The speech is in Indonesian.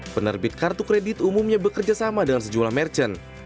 penerbit kartu kredit umumnya bekerja sama dengan sejumlah merchant